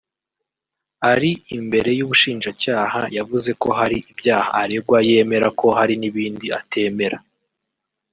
ari imbere y’ ubushinjacyaha yavuze ko hari ibyaha aregwa yemera ko hari n’ ibindi atemera